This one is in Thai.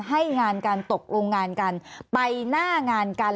ให้งานกันตกลงงานกันไปหน้างานกัน